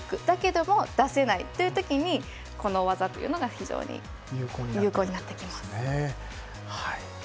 だけども出せないというときにこの技が非常に有効になります。